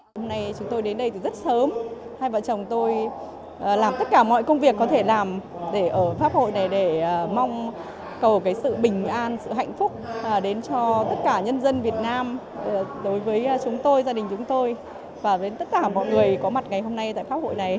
hôm nay chúng tôi đến đây từ rất sớm hai vợ chồng tôi làm tất cả mọi công việc có thể làm để ở pháp hội này để mong cầu cái sự bình an sự hạnh phúc đến cho tất cả nhân dân việt nam đối với chúng tôi gia đình chúng tôi và đến tất cả mọi người có mặt ngày hôm nay tại pháp hội này